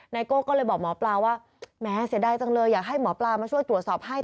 โก้ก็เลยบอกหมอปลาว่าแม้เสียดายจังเลยอยากให้หมอปลามาช่วยตรวจสอบให้